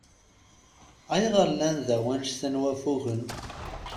Ayɣeṛ llan da wannect-a n waffugen?